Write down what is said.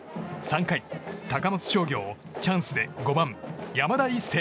３回、高松商業チャンスで５番、山田一成。